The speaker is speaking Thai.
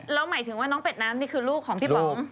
แล้วหมายถึงว่าน้องเป็ดน้ำนี่คือลูกของพี่ป๋อง